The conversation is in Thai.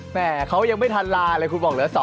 แม่เขายังไม่ทันลาเลยคุณบอกเหลือ๒